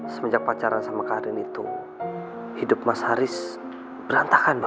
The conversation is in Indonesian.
sebenernya mas haris udah paham